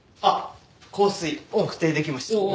あっ香水特定できました。